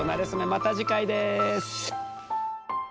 また次回です。